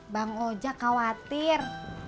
bang ojak khawatir